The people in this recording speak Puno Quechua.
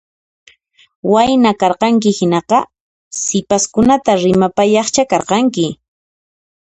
Wayna karqanki hinaqa sipaskunata rimapayaqcha karqanki